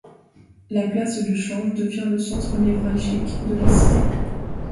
La place du Change devient le centre névralgique de la cité.